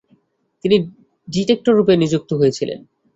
তিনি ডিক্টেটর রুপে নিযুক্ত হয়েছিলেন।